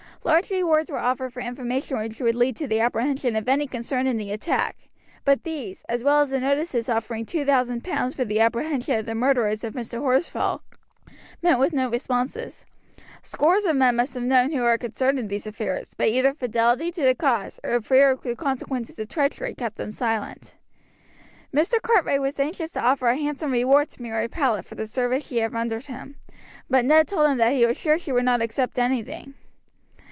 Large rewards were offered for information which would lead to the apprehension of any concerned in the attack, but these, as well as the notices offering two thousand pounds for the apprehension of the murderers of Mr. Horsfall, met with no responses. Scores of men must have known who were concerned in these affairs, but either fidelity to the cause or fear of the consequences of treachery kept them silent. Mr. Cartwright was anxious to offer a handsome reward to Mary Powlett for the service she had rendered him, but Ned told him that he was sure she would not accept anything.